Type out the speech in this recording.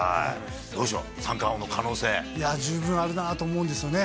どうでしょう、三冠王の可能いや、十分あるなと思うんですよね。